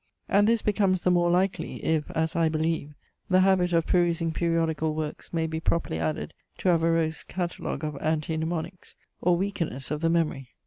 And this becomes the more likely, if (as I believe) the habit of perusing periodical works may be properly added to Averroes' catalogue of Anti Mnemonics, or weakeners of the memory .